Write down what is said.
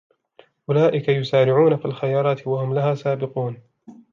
أُولَئِكَ يُسَارِعُونَ فِي الْخَيْرَاتِ وَهُمْ لَهَا سَابِقُونَ